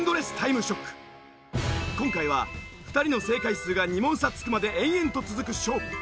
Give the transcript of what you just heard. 今回は２人の正解数が２問差つくまで延々と続く勝負。